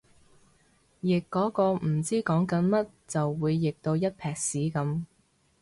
譯嗰個唔知講緊乜就會譯到一坺屎噉